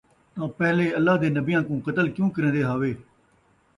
تاں پہلے اللہ دے نبیّاں کوں قتل کیوں کریندے ہاوے ۔